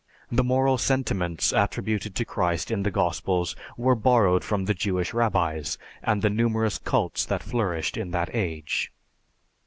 The moral sentiments attributed to Christ in the Gospels were borrowed from the Jewish rabbis and the numerous cults that flourished in that age.